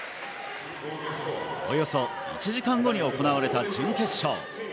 およそ１時間後に行われた準決勝。